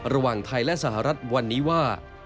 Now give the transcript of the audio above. ระหว่างไทยและสหรัฐวันนี้ว่า